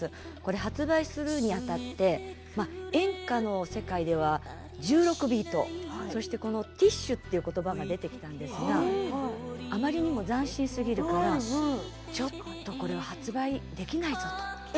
発売するにあたって演歌の世界では１６ビート、そしてティッシュということばが出てくるんですけれどあまりにも斬新すぎるからちょっとこれは発売できないぞと。